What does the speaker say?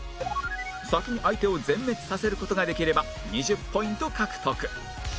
先に相手を全滅させる事ができれば２０ポイント獲得